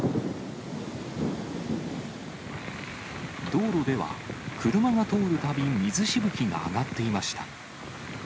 道路では車が通るたびに水しぶきが上がっていました。